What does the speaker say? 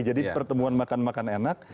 jadi pertemuan makan makan enak